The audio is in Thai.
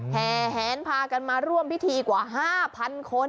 แห่แหนพากันมาร่วมพิธีกว่า๕๐๐คน